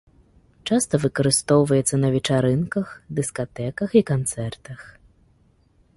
Часта выкарыстоўваецца на вечарынках, дыскатэках і канцэртах.